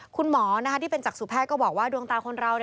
คุณหมอที่เป็นจักษุแพทย์ก็บอกว่าดวงตาคนเรา